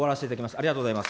ありがとうございます。